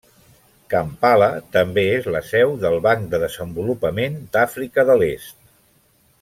Kampala també és la seu del Banc de Desenvolupament d'Àfrica de l'Est.